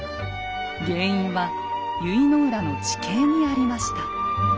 原因は由比浦の地形にありました。